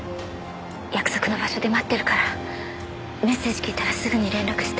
約束の場所で待ってるからメッセージ聞いたらすぐに連絡して。